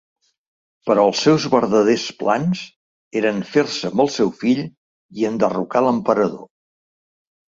Però els seus verdaders plans eren fer-se amb el seu fill i enderrocar l'Emperador.